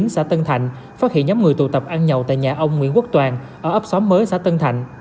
xã tân thạnh phát hiện nhóm người tụ tập ăn nhậu tại nhà ông nguyễn quốc toàn ở ấp xóm mới xã tân thạnh